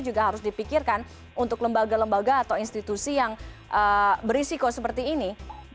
juga harus dipikirkan untuk lembaga lembaga atau institusi yang berisiko seperti ini